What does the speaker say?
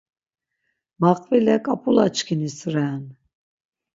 Maqvile ǩap̌ulaçkinis ren!